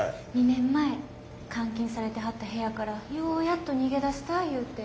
２年前監禁されてはった部屋からようやっと逃げ出せたゆうて。